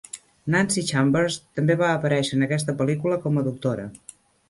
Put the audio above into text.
Nanci Chambers també va aparèixer en aquesta pel·lícula com a doctora.